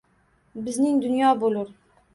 Bizning dunyo bo’lur